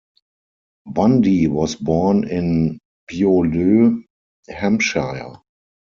Bundey was born in Beaulieu, Hampshire.